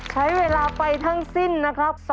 ใช้เวลาไปทั้งสิ้นนะครับ